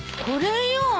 これよ。